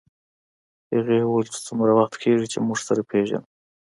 هغې وویل چې څومره وخت کېږي چې موږ سره پېژنو